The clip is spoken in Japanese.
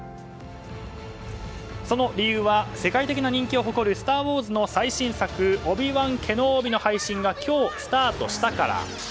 その理由は、世界的な人気を誇る「スター・ウォーズ」の最新作「オビ＝ワン・ケノービ」の配信が今日スタートしたから。